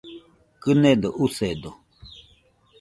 Kɨnedo, usedo